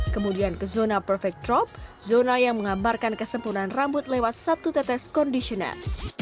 kemudian ke zona perfect drop zona yang menggambarkan kesempurnaan rambut lewat satu tetes conditioner